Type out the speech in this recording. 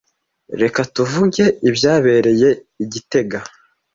Reka tuvuge ibyabereye i gitega.